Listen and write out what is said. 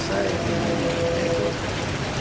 pemohonannya sudah selesai